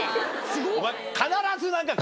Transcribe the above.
お前。